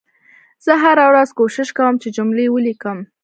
زه هره ورځ کوښښ کوم چې جملې ولیکم